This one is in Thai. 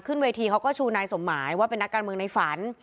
ขึ้นเวทีเขาก็ชูนายสมหมายว่าเป็นนักการเมืองในฝัน